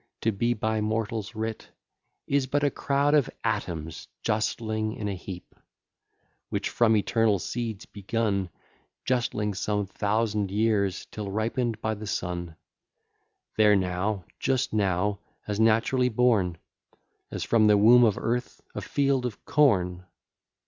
to be by mortals writ, Is but a crowd of atoms justling in a heap: Which, from eternal seeds begun, Justling some thousand years, till ripen'd by the sun: They're now, just now, as naturally born, As from the womb of earth a field of corn.